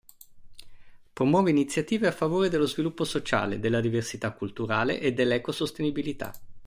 Promuove iniziative a favore dello sviluppo sociale, della diversità culturale e dell'ecosostenibilità.